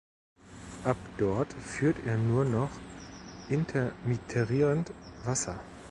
Ab dort führt er nur noch intermittierend Wasser.